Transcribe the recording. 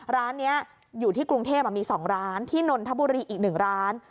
ร้านเนี้ยอยู่ที่กรุงเทพอ่ะมีสองร้านที่นทบุรีอีกหนึ่งร้าน